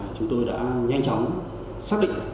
chúng tôi đã nhanh chóng xác định